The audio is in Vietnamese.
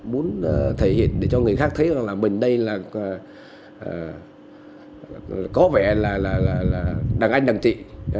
muốn thể hiện cho người khác thấy mình đây có vẻ là đằng anh đằng chị